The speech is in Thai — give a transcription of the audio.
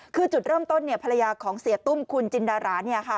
คือจุดเริ่มต้นเนี่ยภรรยาของเสียตุ้มคุณจินดาราเนี่ยค่ะ